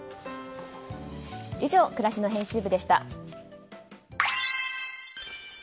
以上、暮らしの編集部でした。